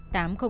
của ông khôi